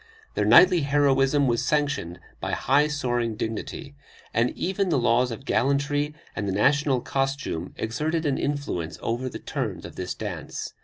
Their knightly heroism was sanctioned by high soaring dignity, and even the laws of gallantry and the national costume exerted an influence over the turns of this dance.